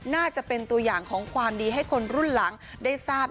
น่าจะเป็นตัวอย่างของความดีให้คนรุ่นหลังได้ทราบ